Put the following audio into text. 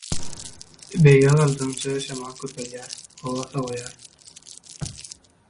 Beýige galdygyňça şemal köpelýär, howa sowaýar.